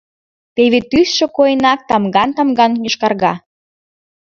— Теве тӱсшӧ койынак тамган-тамган йошкарга...